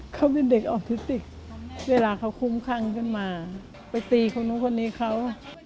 เขาเป็นเด็กออทิสติกเวลาเขาคุ้มข้างขึ้นมาไปตีคนนู้นคนนี้เขา